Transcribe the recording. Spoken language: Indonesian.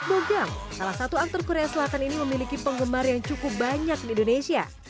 bogang salah satu aktor korea selatan ini memiliki penggemar yang cukup banyak di indonesia